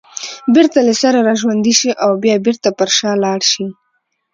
بېرته له سره راژوندي شي او بیا بېرته پر شا لاړ شي